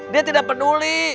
dia tidak peduli